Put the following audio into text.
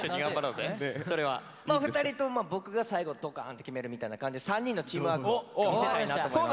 まあ２人とも僕が最後ドカーンって決めるみたいな感じで３人のチームワークを見せたいなと思います。